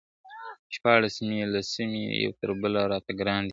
شپاړس مي لمسي دي یو تر بله راته ګران دي `